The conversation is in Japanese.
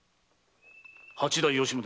八代吉宗。